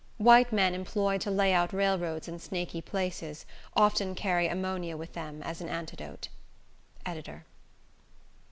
White men, employed to lay out railroads in snaky places, often carry ammonia with them as an antidote.—EDITOR.